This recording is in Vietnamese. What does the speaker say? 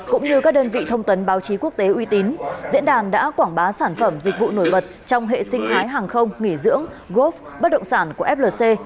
cũng như các đơn vị thông tấn báo chí quốc tế uy tín diễn đàn đã quảng bá sản phẩm dịch vụ nổi bật trong hệ sinh thái hàng không nghỉ dưỡng góp động sản của flc